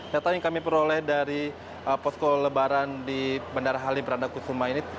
data yang kami peroleh dari posko lebaran di bandara halim perdana kusuma ini